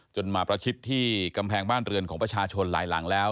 มาประชิดที่กำแพงบ้านเรือนของประชาชนหลายหลังแล้ว